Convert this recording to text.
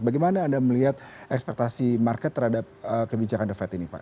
bagaimana anda melihat ekspektasi market terhadap kebijakan the fed ini pak